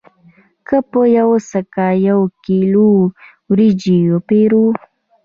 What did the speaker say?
که په یوه سکه یو کیلو وریجې وپېرو